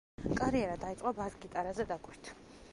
კარიერა დაიწყო ბას-გიტარაზე დაკვრით.